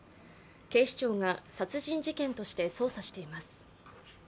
警視庁が殺人事件として捜査しています。